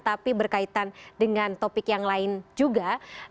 tapi berkaitan dengan topik yang lain juga